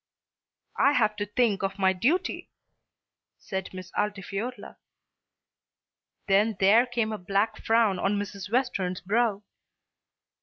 "I have to think of my duty," said Miss Altifiorla. Then there came a black frown on Mrs. Western's brow.